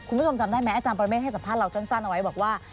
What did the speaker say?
คุณผู้ชมจำได้ไหมอาจารย์ปรเมฆให้สัมภาษณ์เราสั้นเอาไว้บอกว่า